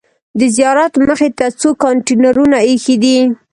د زیارت مخې ته څو کانتینرونه ایښي دي.